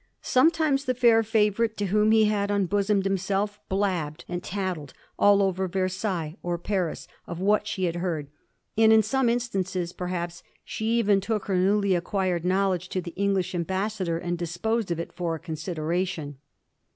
Sometimes the fair favourite to whom he had un bosomed himself blabbed and tattled all over Ver sailles or Paris of what she had heard ; and in some instances, perhaps, she even took her newly acquired knowledge to the English Ambassador and disposed of it for a consideration.